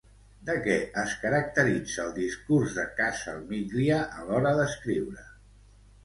De què es caracteritza el discurs de Calsamiglia a l'hora d'escriure?